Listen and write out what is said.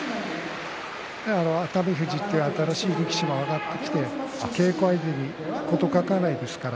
熱海富士という新しい力士も上がってきてね、稽古相手に事欠かないですから。